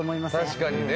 確かにね。